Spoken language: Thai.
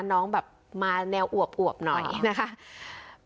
น้องแบบมาแนวอวบหน่อยนะคะ